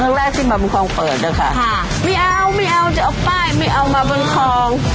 แรกที่มาบนคลองเปิดนะคะค่ะไม่เอาไม่เอาจะเอาป้ายไม่เอามาบนคลอง